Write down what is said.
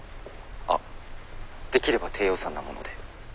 あっできれば低予算なもので。